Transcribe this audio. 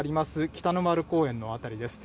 北の丸公園の辺りです。